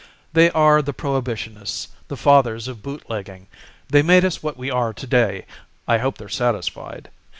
There are the Prohibitionists; The Fathers of Bootlegging. They made us what we are to day I hope they're satisfied.